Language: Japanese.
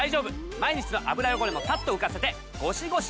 毎日の油汚れもサッと浮かせてゴシゴシいらず。